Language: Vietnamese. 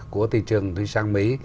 của thị trường đi sang mỹ